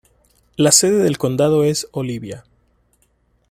La sede del condado es Olivia.